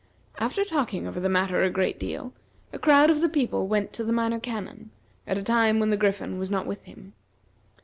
After talking over the matter a great deal, a crowd of the people went to the Minor Canon, at a time when the Griffin was not with him.